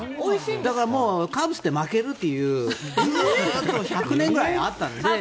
だからカブスって負けるっていうずっと１００年くらいあったんですよ。